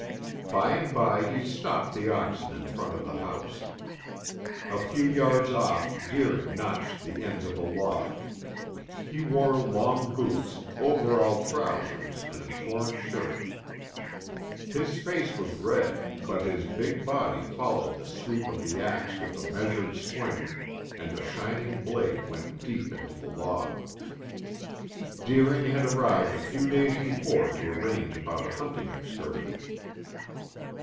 By and by he stopped the oxen in front of the house. A few yards off Deering notched the end of a log. He wore long boots, overall trousers and a torn shirt. His face was red, but his big body followed the sweep of the ax with a measured swing and the shining blade went deep into the log. Deering had arrived a few days before to arrange about a hunting excursion.